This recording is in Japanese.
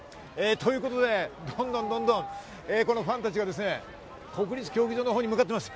ということで、どんどんファンたちが国立競技場のほうに向かっています。